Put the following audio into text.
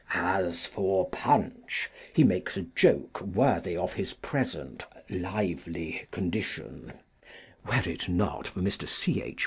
As for Punch, he makes a joke worthy of his present lively condition (were it not for Mr. C. H.